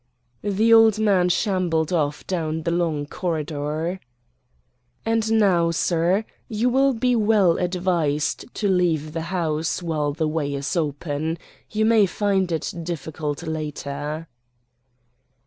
The old man shambled off down the long corridor. "And now, sir, you will be well advised to leave the house while the way is open. You may find it difficult later."